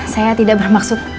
saya tidak bermaksud